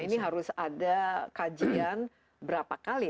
ini harus ada kajian berapa kali